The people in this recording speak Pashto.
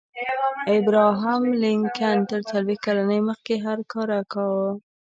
ابراهم لینکن تر څلویښت کلنۍ مخکې هر کار کاوه